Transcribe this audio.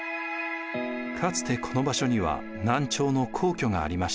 かつてこの場所には南朝の皇居がありました。